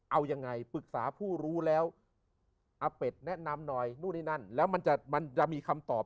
เอายังไงปรึกษาผู้รู้แล้วอาเป็ดแนะนำหน่อยนู่นนี่นั่นแล้วมันจะมันจะมีคำตอบ